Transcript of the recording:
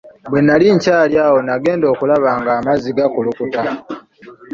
Bwe nnali nkyali awo nagenda okulaba nga amazzi gakulukuta.